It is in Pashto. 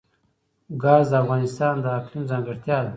ګاز د افغانستان د اقلیم ځانګړتیا ده.